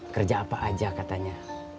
kerja apa aja katanya